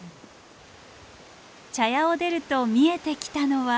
茶屋を出ると見えてきたのは。